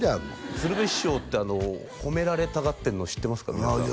鶴瓶師匠って褒められたがってるの知ってますか？